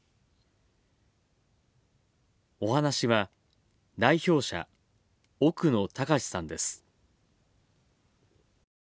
お話しは、代表者奥野卓志さんです。